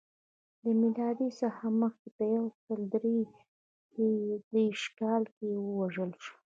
له میلاد څخه مخکې په یو سل درې دېرش کال کې ووژل شو.